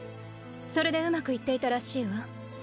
それでうまくいっていたらしいわ。